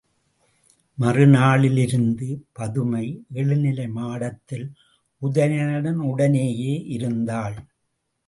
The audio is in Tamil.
மறுநாளிலிருந்து பதுமை எழுநிலை மாடத்தில் உதயணனுடனேயே இருந்தாள்.